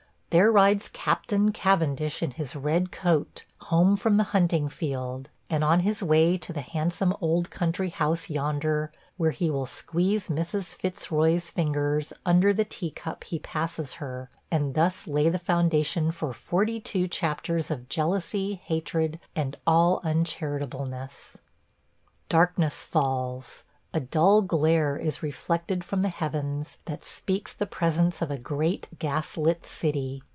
There rides Captain Cavendish in his red coat, home from the hunting field, and on his way to the handsome old country house yonder where he will squeeze Mrs. Fitzroy's fingers under the teacup he passes her and thus lay the foundation for forty two chapters of jealously, hatred, and all uncharitableness. ... Darkness falls. A dull glare is reflected from the heavens that speaks the presence of a great gas lit city.